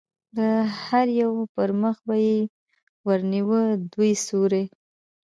د هر یوه پر مخ به یې ور نیوه، د دوی سیوری.